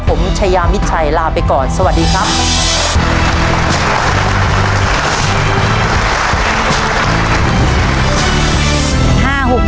ผมชายามิดชัยลาไปก่อนสวัสดีครับ